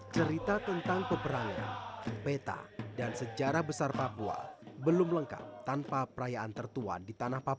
cerita tentang peperangan peta dan sejarah besar papua belum lengkap tanpa perayaan tertua di tanah papua